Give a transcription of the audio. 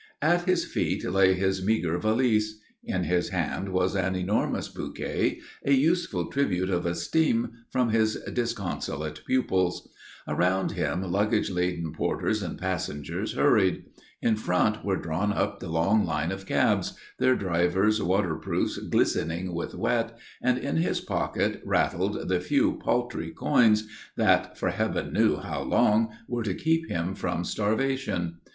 At his feet lay his meagre valise; in his hand was an enormous bouquet, a useful tribute of esteem from his disconsolate pupils; around him luggage laden porters and passengers hurried; in front were drawn up the long line of cabs, their drivers' waterproofs glistening with wet; and in his pocket rattled the few paltry coins that, for Heaven knew how long, were to keep him from starvation.